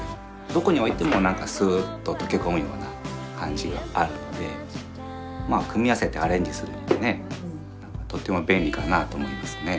どこに置いても何かすっと溶け込むような感じがあるので組み合わせてアレンジするにはねとても便利かなと思いますね。